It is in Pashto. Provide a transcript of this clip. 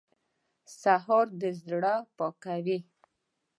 سهار د زړه پاکوي.